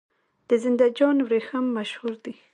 د زنده جان وریښم مشهور دي